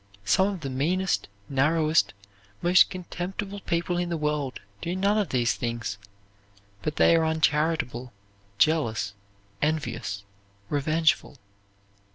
Some of the meanest, narrowest, most contemptible people in the world do none of these things but they are uncharitable, jealous, envious, revengeful.